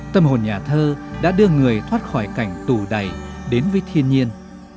tâm hồn nhà thơ đã đưa người thoát khỏi cảnh tù đầy đến với thiên nhiên